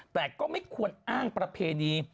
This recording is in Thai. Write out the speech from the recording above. แต่ก็ไม่ควรอ้างประเพณี